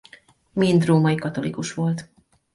Mind római katolikus volt.